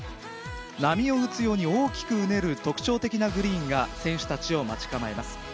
波を打つように大きくうねる特徴的なグリーンが選手たちを待ち構えます。